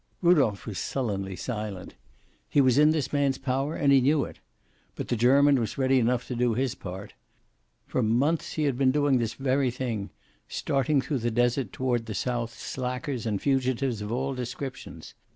Rudolph was sullenly silent. He was in this man's power, and he knew it. But the German was ready enough to do his part. For months he had been doing this very thing, starting through the desert toward the south slackers and fugitives of all descriptions.